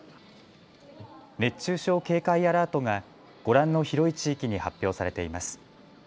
熱中症警戒アラートがご覧の広い地域に発表されています。